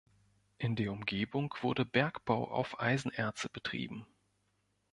In der Umgebung wurde Bergbau auf Eisenerze betrieben.